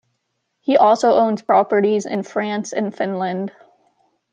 He also owns properties in France and Finland.